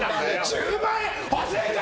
１０万円、欲しいか？